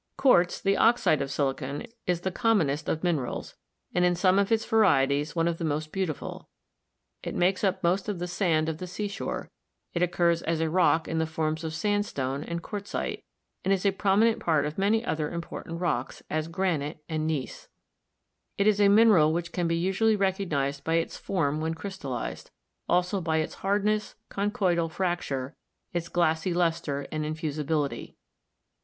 Quartz, the oxide of silicon, is the commonest of min erals, and in some of its varieties one of the most beauti ful. It makes up most of the sand of the seashore; it occurs as a rock in the forms of sandstone and quartzite, and is a prominent part of many other important rocks, as granite and gneiss. It is a mineral which can be usually recognised by its form when crystallized ; also by its hard ness, conchoidal fracture, its glassy luster and infusibility.